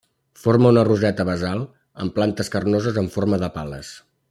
Forma una roseta basal amb plantes carnoses amb forma de pales.